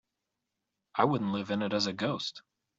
I wouldn't live in it as a ghost.